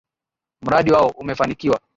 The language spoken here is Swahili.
Mradi wao umefanikiwa